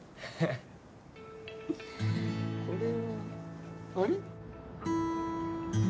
これはあれ？